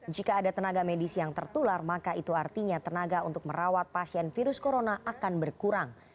jika ada tenaga medis yang tertular maka itu artinya tenaga untuk merawat pasien virus corona akan berkurang